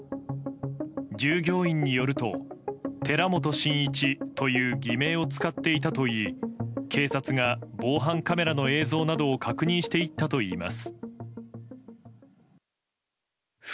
従業員によると寺本信一という偽名を使っていたといい警察が防犯カメラの映像などを確認していったといいます。